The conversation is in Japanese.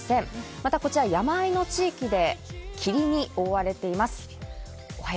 また、こちら山あいの地域で霧に覆われています。